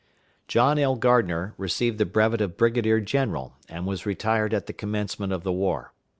John L. Gardner received the brevet of brigadier general, and was retired at the commencement of the war.